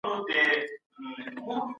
بېتاب